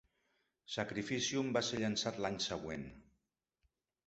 "Sacrificium" va ser llançat l'any següent.